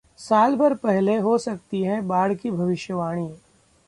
सालभर पहले हो सकती है बाढ़ की भविष्यवाणी